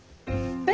え？